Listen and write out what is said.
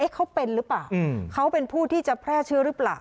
เขาเป็นหรือเปล่าเขาเป็นผู้ที่จะแพร่เชื้อหรือเปล่า